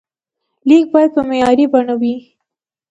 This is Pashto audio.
لیک باید په معیاري بڼه وي.